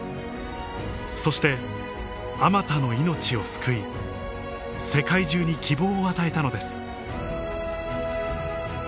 そしてあまたの命を救い世界中に希望を与えたのです